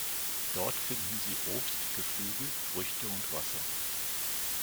Dort finden sie Obst, Geflügel, Früchte und Wasser.